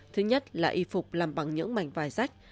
thứ nhất là y phục làm bằng những mảnh vài rách